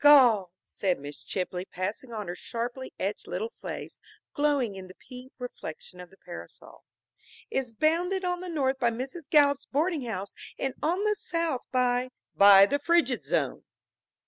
"Gaul," said Miss Chipley, passing on, her sharply etched little face glowing in the pink reflection of the parasol, "is bounded on the north by Mrs. Gallup's boarding house, and on the south by " "By the Frigid Zone!"